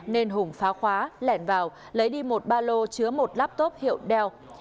nên hùng phá khóa lèn vào lấy đi một ba lô chứa một laptop hiệu dell